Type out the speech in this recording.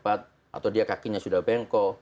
atau dia kakinya sudah bengkok